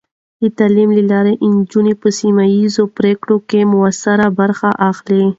د تعلیم له لارې، نجونې په سیمه ایزې پرېکړو کې مؤثره برخه اخلي.